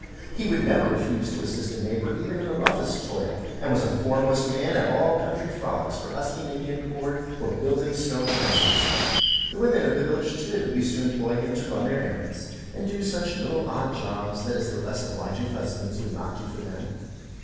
He would never refuse to assist a neighbor even in the roughest toil, and was a foremost man at all country frolics for husking Indian corn, or building stone fences; the women of the village, too, used to employ him to run their errands, and to do such little odd jobs as their less obliging husbands would not do for them.